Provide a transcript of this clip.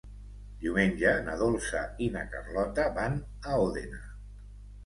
Diumenge na Dolça i na Carlota van a Òdena.